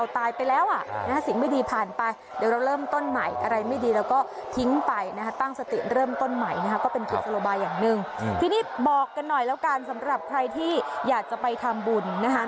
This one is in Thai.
ตั้งสติเริ่มต้นใหม่นะคะก็เป็นกฤทธิ์สโลบาอย่างหนึ่งทีนี้บอกกันหน่อยแล้วกันสำหรับใครที่อยากจะไปทำบุญนะคะ